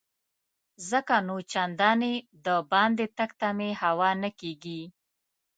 ځکه نو چنداني دباندې تګ ته مې هوا نه کیږي.